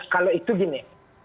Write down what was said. kalau itu gini